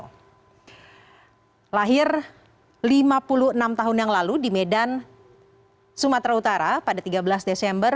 yang lahir lima puluh enam tahun yang lalu di medan sumatera utara pada tiga belas desember